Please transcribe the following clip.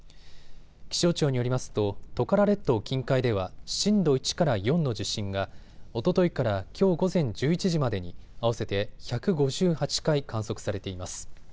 気象庁によりますとトカラ列島近海では震度１から４の地震がおとといからきょう午前１１時までに合わせて１５８回観測されています。